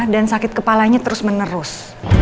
dan sakit kepalanya terus menerus